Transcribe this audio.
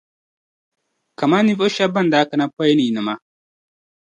Kamani ninvuɣu shεba ban daa kana pɔi ni yinima